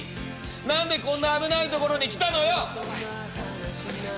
何でこんな危ないところに来たのよ！」。